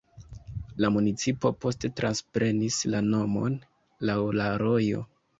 La municipo poste transprenis la nomon laŭ la rojo.